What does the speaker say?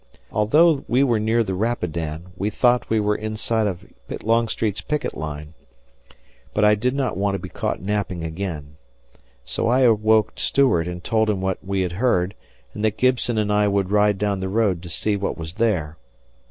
Although we were near the Rapidan, we thought we were inside of Longstreet's picket line, but I did not want to be caught napping again. So I awoke Stuart and told him what we had heard and that Gibson and I would ride down the road to see what was there.